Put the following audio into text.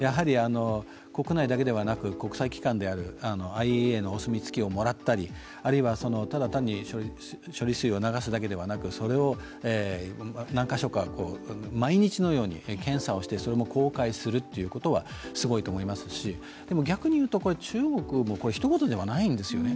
国内だけではなく国際機関であるＩＡＥＡのお墨付きをもらったり、あるいは、ただ単に処理水を流すだけではなくそれを何か所か、毎日のように検査をして、それも公開するということはすごいと思いますし、でも逆に言うと、中国もひと事ではないんですよね。